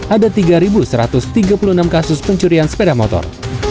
ada tiga satu ratus tiga puluh enam kasus pencurian sepeda motor